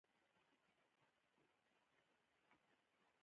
او چا چې ديوې ذرې په اندازه بدي کړي وي، هغه به وويني